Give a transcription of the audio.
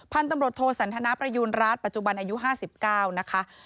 พันธุ์ตำรวจโทสันทนาประยูณรัฐปัจจุบันอายุ๕๙นะคะ